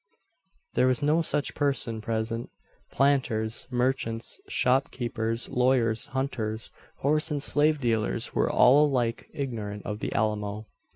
There was no such person present. Planters, merchants, shopkeepers, lawyers, hunters, horse and slave dealers, were all alike ignorant of the Alamo.